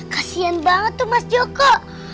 kasian banget tuh mas joko